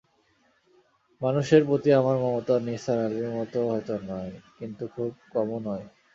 মানুষের প্রতি আমার মমতা নিসার আলির মতো হয়তো নয়, কিন্তু খুব কমও নয়।